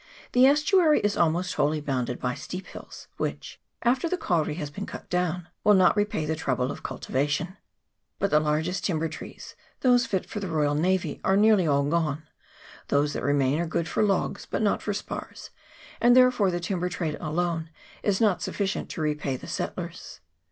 The estuary is almost wholly bounded by steep hills, which, after the kauri has been cut down, will not repay the trouble of cultivation. But the largest timber trees, those fit for the Royal Navy, are nearly all gone : those that remain are good for logs, but not for spars ; and therefore the timber trade alone is not sufficient to repay the set CHAP. XVI.] HOKIANGA HARBOUR. 241 tiers.